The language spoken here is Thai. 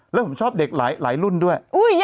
แล้วผมชอบเด็กหลายรุ่นด้วย